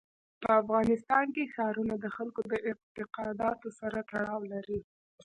په افغانستان کې ښارونه د خلکو د اعتقاداتو سره تړاو لري.